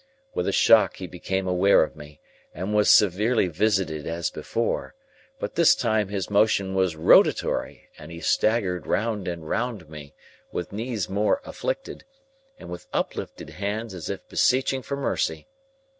With a shock he became aware of me, and was severely visited as before; but this time his motion was rotatory, and he staggered round and round me with knees more afflicted, and with uplifted hands as if beseeching for mercy.